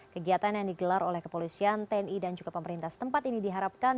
kegiatan yang digelar oleh kepolisian tni dan juga pemerintah setempat ini diharapkan